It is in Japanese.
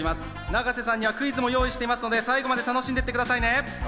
永瀬さんにはクイズもご用意しておりますので、最後まで楽しんで行ってくださいね。